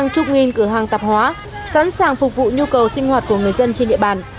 năm cửa hàng tạp hóa sẵn sàng phục vụ nhu cầu sinh hoạt của người dân trên địa bàn